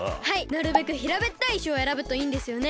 なるべくひらべったいいしをえらぶといいんですよね？